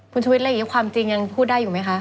คุณชุวิตอะไรอย่างนี้ความจริงยังพูดได้อยู่ไหมคะ